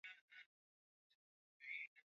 hadi mwezi wa kwanza mwaka elfu moja mia tisa na saba